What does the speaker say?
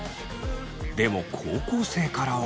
でも高校生からは。